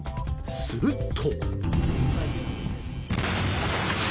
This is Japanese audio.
すると。